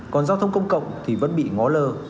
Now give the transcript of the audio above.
còn giao thông công cộng thì vẫn bị ngó lờ